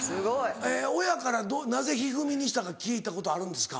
親からなぜ「一二三」にしたか聞いたことあるんですか？